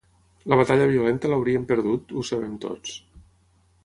La batalla violenta l’hauríem perdut, ho sabem tots.